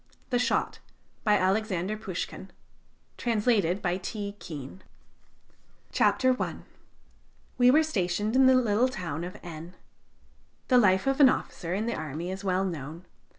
THE SHOT BY ALEXANDER POUSHKIN From "Poushkin's Prose Tales." Translated by T. Keane. CHAPTER I. We were stationed in the little town of N . The life of an officer in the army is well known.